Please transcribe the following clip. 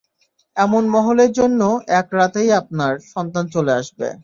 এমন মহলের জন্য, এক রাতেই আপনার, সন্তান চলে আসবে।